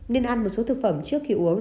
nên ăn một số thực phẩm trước khi uống